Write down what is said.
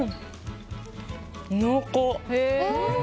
濃厚。